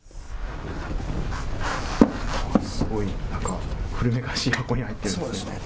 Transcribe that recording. すごい古めかしい箱に入っているんですね。